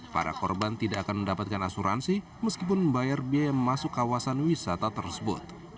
para korban tidak akan mendapatkan asuransi meskipun membayar biaya masuk kawasan wisata tersebut